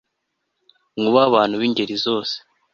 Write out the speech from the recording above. mwubahe abantu b ingeri zose